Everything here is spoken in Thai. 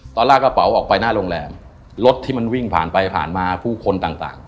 ลากกระเป๋าออกไปหน้าโรงแรมรถที่มันวิ่งผ่านไปผ่านมาผู้คนต่างต่าง